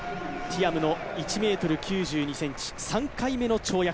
ティアムの１ｍ９２ｃｍ、３回目の跳躍。